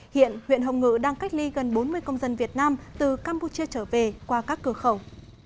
hiện huyện hồng ngự đang cách ly gần bốn mươi công dân việt nam từ campuchia trở về qua các cửa khẩu